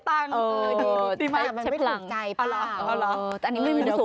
ไม่ต้องเสียตังค์ถ้ามันไม่ถูกใจป่าวแต่อันนี้มันมีมุมสูงนะครับพี่นิ้ว